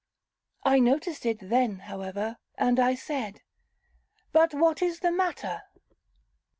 I noticed it then, however, and I said, 'But what is the matter?'